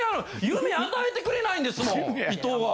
夢与えてくれないんですもん伊藤が。